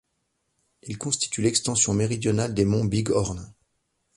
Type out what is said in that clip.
Il constitue l'extension méridionale des monts Big Horn.